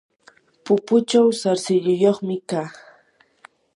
pupuchaw sarsilluyuqmi kaa.